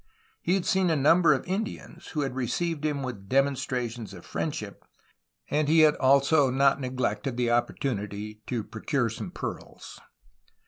He had seen a number of Indians, who had received him with demonstrations of friendship, and he had also not neglected the opportunity to procure some pearls.